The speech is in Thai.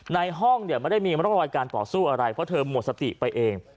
ในห้องไม่ได้มีเมื่อไหร่การปลอดศูนย์อะไรเพราะเธอหมดสติไปเอง